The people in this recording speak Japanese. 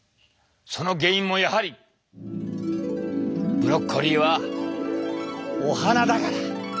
その原因もやはりブロッコリーはお花だから！